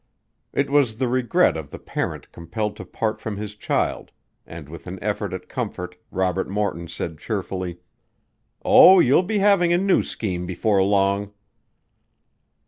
It was the regret of the parent compelled to part from his child and with an effort at comfort Robert Morton said cheerfully: "Oh, you'll be having a new scheme before long."